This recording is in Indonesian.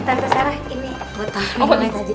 tante sarah ini buat pindungan tadi